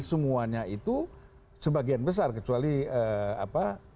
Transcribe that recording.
semuanya itu sebagian besar kecuali apa